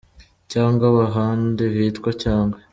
Cyangwa ahandi hitwa Cyagwe